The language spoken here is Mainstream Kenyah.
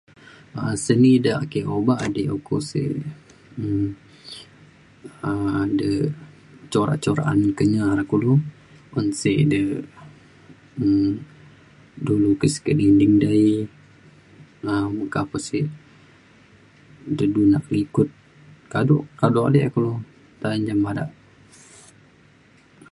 um seni de ake oba dek uko se um de corak corak un Kenyah re kulu un si de um du lukis ka dinding dei um meka pa se de du nak ke likut kado kado alek e kulu nta menjam bada